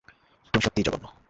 তুমি সত্যিই জঘন্য।